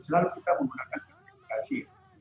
selalu kita menggunakan antisipasi